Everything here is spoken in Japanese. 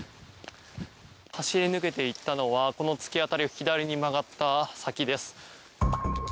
走り抜けていったのはこの突き当たりを曲がった先です。